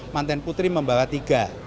mantan putri membawa tiga